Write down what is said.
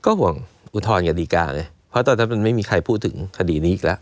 ก็ห่วงอุทธรณ์กับดีการเลยเพราะตอนนั้นมันไม่มีใครพูดถึงคดีนี้อีกแล้ว